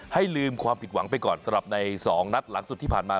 ให้ลืมความผิดหวังไปก่อนสำหรับใน๒นัดหลังสุดที่ผ่านมา